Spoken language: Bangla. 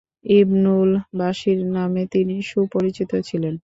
ইবনুল বাসীস নামে তিনি সুপরিচিত ছিলেন।